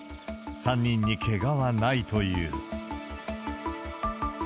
３人にけがはないという。